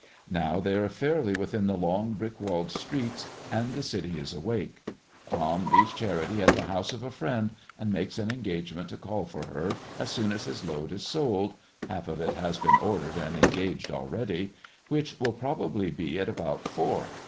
Now they are fairly within the long, brick walled streets, and the city is awake. Tom leaves Charity at the house of a friend and makes an engagement to call for her as soon as his load is sold (half of it has been ordered and engaged already), which will probably be at about four.